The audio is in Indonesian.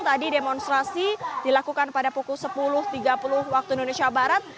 tadi demonstrasi dilakukan pada pukul sepuluh tiga puluh waktu indonesia barat